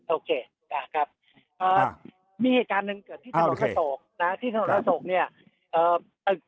โอเคครับ